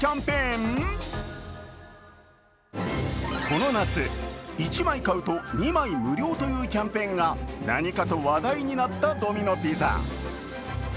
この夏、１枚買うと２枚無料というキャンペーンが何かと話題になったドミノ・ピザ。